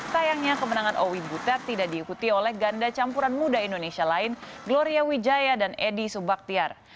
sayangnya kemenangan owi butet tidak diikuti oleh ganda campuran muda indonesia lain gloria wijaya dan edi subaktiar